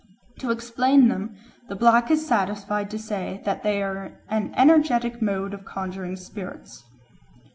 To explain them, the black is satisfied to say that they are an energetic mode of conjuring spirits."